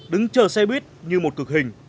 đứng chờ xe buýt như một cực hình